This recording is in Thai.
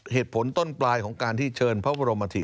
เหตุผลต้นปลายของการที่เชิญพระบรมอัตฑิต